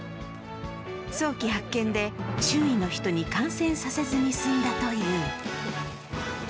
早期発見で周囲の人に感染させずに済んだという。